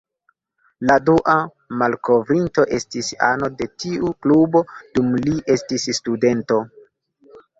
La dua malkovrinto estis ano de tiu klubo dum li estis studento.